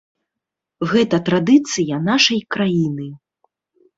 Гэта традыцыя нашай краіны.